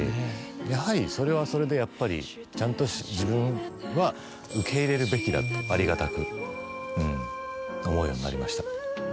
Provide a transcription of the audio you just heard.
やはりそれはそれでやっぱりちゃんと自分は受け入れるべきだとありがたくうん思うようになりました。